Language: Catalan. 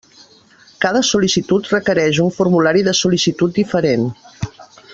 Cada sol·licitud requereix un formulari de sol·licitud diferent.